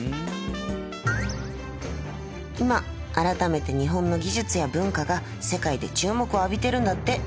今改めて日本の技術や文化が世界で注目を浴びてるんだって。